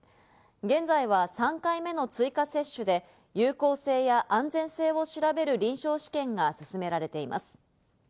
現在は３回目の追加接種で有効性や安全性を調べる臨床試験が進められています。